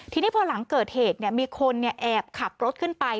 ทีนี้พอหลังเกิดเหตุมีคนแอบขับรถขึ้นไป